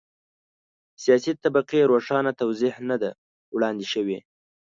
سیاسي طبقې روښانه توضیح نه ده وړاندې شوې.